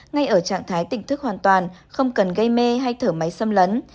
ngay ở trạng thái tỉnh thức hoàn toàn không cần gây mê hay thở máy xâm lấn